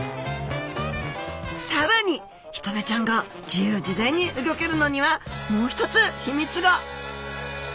さらにヒトデちゃんが自由自在にうギョけるのにはもう一つ秘密が！